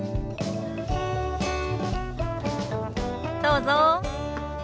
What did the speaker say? どうぞ。